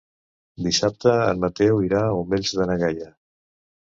Dissabte en Mateu irà als Omells de na Gaia.